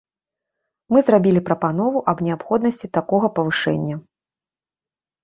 Мы зрабілі прапанову аб неабходнасці такога павышэння.